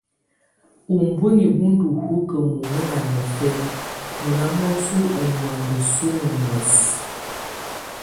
Ubuinyi wù ndù hukǝ mɔŋɛŋa niɔ́fɛna, nɔ na mɔsɔ ù mɔanda suŋǝ muɛs.